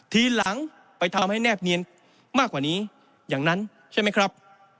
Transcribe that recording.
ทีหลังไปทำให้แนบเนียนมากกว่านี้อย่างนั้นใช่ไหมครับ